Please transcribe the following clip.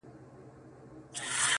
له هر چا نه اول په خپل ځان باور ولره,